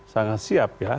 sangat siap ya